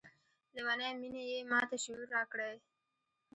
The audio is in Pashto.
لیونۍ میني یې ماته شعور راکړی